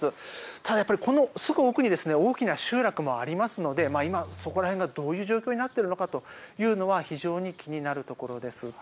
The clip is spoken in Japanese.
ただ、やっぱり、すぐこの奥に大きな集落もありますので今そこら辺がどういう状況になっているのかというのは非常に気になるところです。